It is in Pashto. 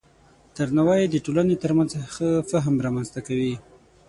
درناوی د ټولنې ترمنځ ښه فهم رامنځته کوي.